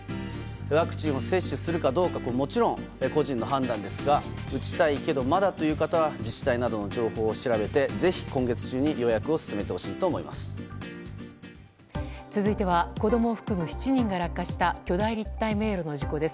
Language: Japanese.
ワクチンを接種するかどうかはもちろん個人の判断ですが打ちたいけどまだという方は自治体などの情報を調べてぜひ今月中に続いては子供を含む７人が落下した巨大立体迷路の事故です。